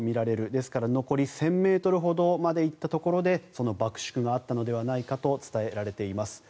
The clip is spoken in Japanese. ですから残り１０００ｍほどまで行ったところで爆縮があったのではないかと伝えられています。